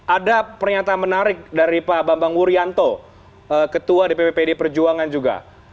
ada pernyataan menarik dari pak bambang wuryanto ketua dpp pd perjuangan juga